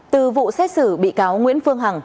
từ vụ xét xử bị cáo nguyễn phương hằng